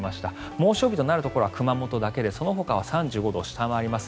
猛暑日となるところは熊本だけでそのほかは３５度を下回ります。